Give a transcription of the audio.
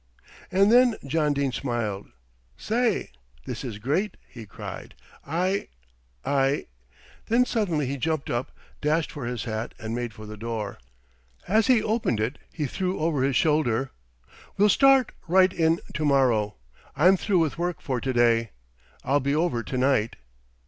And then John Dene smiled. "Say, this is great," he cried. "I I " Then suddenly he jumped up, dashed for his hat and made for the door. As he opened it he threw over his shoulder: "We'll start right in to morrow. I'm through with work for to day. I'll be over to night."